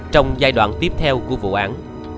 trong giai đoạn tiếp theo của vụ án